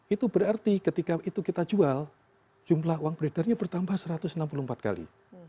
itu berarti ketika itu kita jual jumlah uang beredarnya bertambah satu ratus enam puluh empat kali